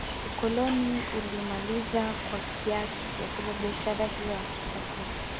Ukoloni ulimaliza kwa kiasi kikubwa biashara hiyo Afrika pia